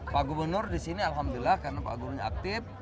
pak gubernur di sini alhamdulillah karena pak gubernurnya aktif